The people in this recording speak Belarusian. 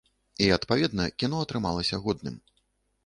І, адпаведна, кіно атрымалася годным.